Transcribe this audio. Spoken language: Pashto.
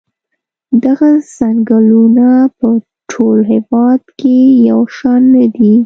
دغه څنګلونه په ټول هېواد کې یو شان نه دي.